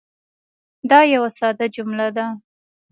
دا یوه ساده جمله ده.